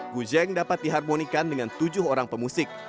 kujeng dapat diharmonikan dengan tujuh orang pemusik